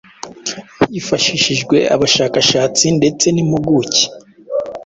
Hifashishijwe abashakashatsi ndetse n’impuguke